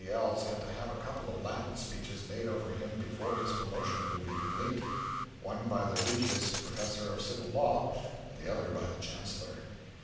L.'s had to have a couple of Latin speeches made over him before his promotion would be complete one by the Regius Professor of Civil Law, the other by the Chancellor.